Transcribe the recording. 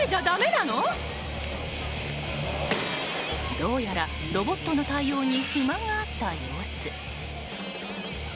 どうやらロボットの対応に不満があった様子。